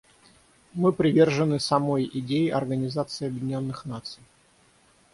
Мы привержены самой идее Организации Объединенных Наций.